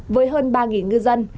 với hơn ba ngư dân